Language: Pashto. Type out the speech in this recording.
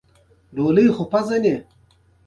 ډولۍ خو پېژنې؟